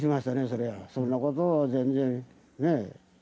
そんなことは全然、ねえ。